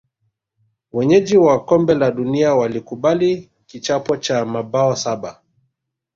wenyeji wa kombe la dunia walikubali kichapo cha mabao saba